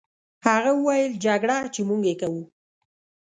هغه وویل: جګړه، چې موږ یې کوو.